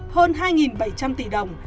hơn hai bảy trăm linh tỷ đồng